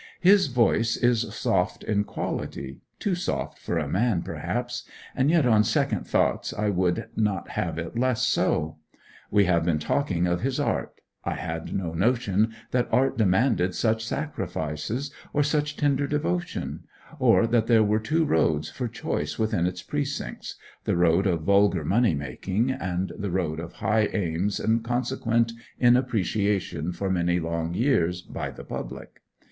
His voice is soft in quality too soft for a man, perhaps; and yet on second thoughts I would not have it less so. We have been talking of his art: I had no notion that art demanded such sacrifices or such tender devotion; or that there were two roads for choice within its precincts, the road of vulgar money making, and the road of high aims and consequent inappreciation for many long years by the public.